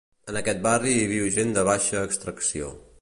En aquest barri hi viu gent de baixa extracció.